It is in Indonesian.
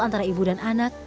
antara ibu dan anak